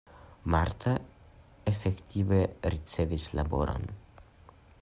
Marta efektive ricevis laboron.